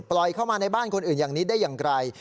เข้ามาในบ้านคนอื่นอย่างนี้ได้อย่างไร